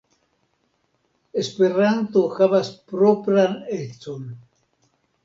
Esperanto havas propran econ.